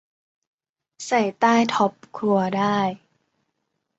ใส่ใต้ท็อปครัวได้